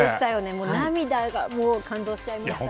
もう涙が、もう感動しちゃいました。